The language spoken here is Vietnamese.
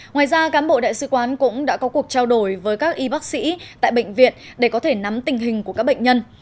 ngoài ra cán bộ đại sứ quán cũng đã có cuộc trao đổi với các y bác sĩ tại bệnh viện để có thể nắm tình hình của các bệnh nhân